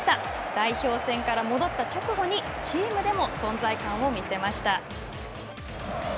代表戦から戻った直後にチームでも存在感を見せました。